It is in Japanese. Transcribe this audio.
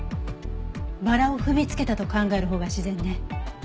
バラを踏みつけたと考えるほうが自然ね。